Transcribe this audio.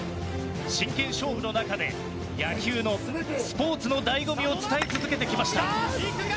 真剣勝負の中で野球のスポーツの醍醐味を伝え続けてきました。